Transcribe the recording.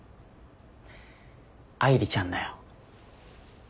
愛梨ちゃんだよ。